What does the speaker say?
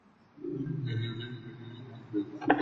নিজেকে ভুলিয়ে লাভ কী।